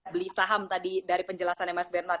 beli saham tadi dari penjelasannya mas bernar